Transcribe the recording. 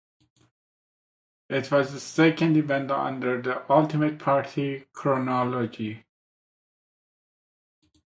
It was the second event under the Ultimate Party chronology.